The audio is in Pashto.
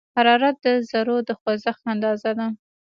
حرارت د ذرّو د خوځښت اندازه ده.